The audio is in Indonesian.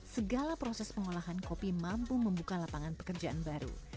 segala proses pengolahan kopi mampu membuka lapangan pekerjaan baru